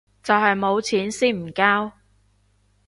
就係冇錢先唔交